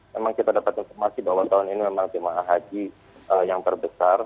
memang kita dapat informasi bahwa tahun ini memang jemaah haji yang terbesar